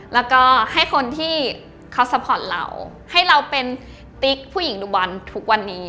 แล้วก็ให้คนที่เขาซัพพอร์ตเราให้เราเป็นติ๊กผู้หญิงดูบอลทุกวันนี้